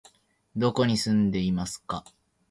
どこに住んでいますか？